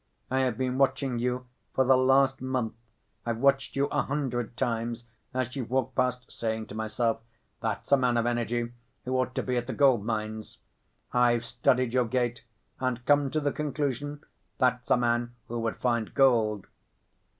I have been watching you for the last month. I've watched you a hundred times as you've walked past, saying to myself: that's a man of energy who ought to be at the gold‐mines. I've studied your gait and come to the conclusion: that's a man who would find gold."